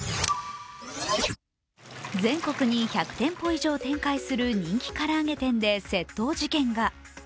全国に１００店舗以上展開する人気唐揚げ店で窃盗事件が。